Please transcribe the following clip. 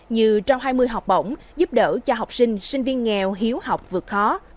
như trong hai mươi học bổng giúp đỡ cho học sinh sinh viên nghèo hiếu học vượt khó